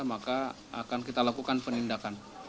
maka akan kita lakukan penindakan